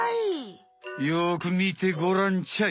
よくみてごらんちゃい！